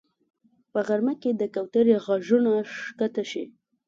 په غرمه کې د کوترې غږونه ښکته شي